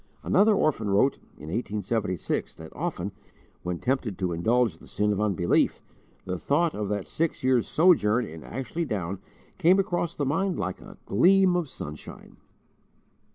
Another orphan wrote, in 1876, that often, when tempted to indulge the sin of unbelief, the thought of that six years' sojourn in Ashley Down came across the mind like a gleam of sunshine.